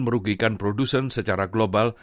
merugikan produsen secara global